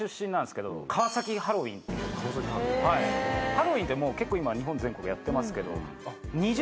ハロウィンって結構今日本全国やってますけど。